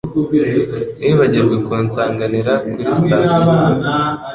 Ntiwibagirwe kunsanganira kuri sitasiyo.